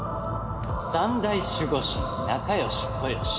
三大守護神仲良しこよし。